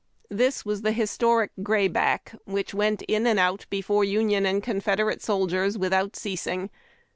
This was the historic "grayback" which went in and out before Union and Confederate soldiers without ceasing.